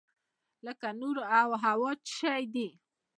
لکه نور او هوا څه شی دي؟